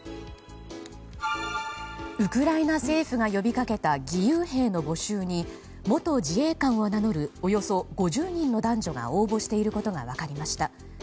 ウクライナ政府が呼びかけた義勇兵の募集に元自衛官を名乗るおよそ５０人の男女が応募していることが分かりました。